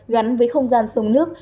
gắn với không gian sông nước